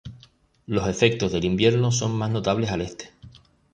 Los efectos del invierno son más notables al este.